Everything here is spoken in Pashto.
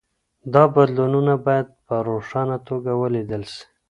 دا بدلونونه باید په روښانه توګه ولیدل سي.